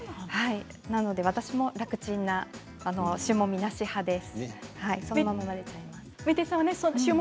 私も楽ちんな塩もみなし派です。